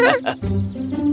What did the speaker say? tidak aku tidak bisa